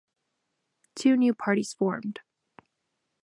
Two new parties formed.